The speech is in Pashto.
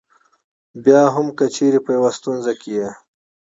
بیا هم که چېرې په یوې ستونزه کې یې.